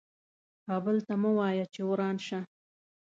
کابل ته مه وایه چې وران شه .